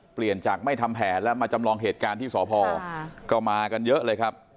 เปลี่ยนจากไม่ทำแผนแล้วมาจำลองเหตุการณ์ที่สพก็มากันเยอะเลยครับ